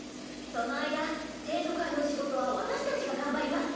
その間生徒会の仕事は私たちが頑張ります。